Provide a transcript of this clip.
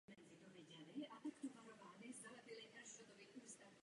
Všichni se tedy dostaví v noci do Osiriova chrámu.